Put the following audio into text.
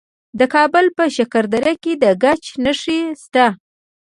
د کابل په شکردره کې د ګچ نښې شته.